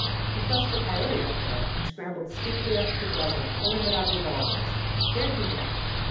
We flushed a coy ote up there, and scrambled steeply up to the desert, pulling at our revolvers. There he went